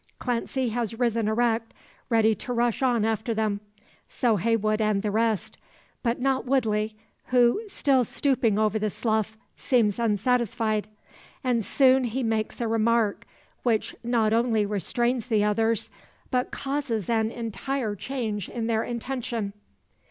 Clancy has risen erect, ready to rush on after them. So Heywood and the rest. But not Woodley, who, still stooping over the slough, seems unsatisfied. And soon he makes a remark, which not only restrains the others, but causes an entire change in their intention.